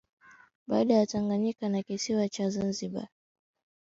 baada ya Tanganyika na kisiwa cha Zanzibar kuungana chinia ya serikali mmoja